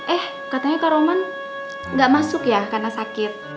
eh katanya kak roman nggak masuk ya karena sakit